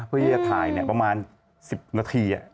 เพื่อที่จะถ่ายประมาณ๑๐กว่านาที